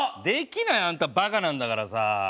できないよ。あんたバカなんだからさ。